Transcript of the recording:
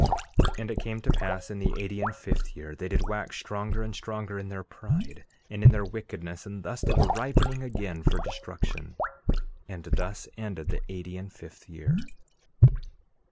11:37 And it came to pass in the eighty and fifth year they did wax stronger and stronger in their pride, and in their wickedness; and thus they were ripening again for destruction. 11:38 And thus ended the eighty and fifth year.